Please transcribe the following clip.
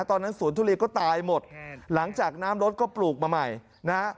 ตอนนั้นสวนทุเรียนก็ตายหมดหลังจากน้ำรถก็ปลูกมาใหม่นะฮะ